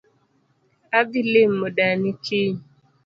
Adhii limo dani kiny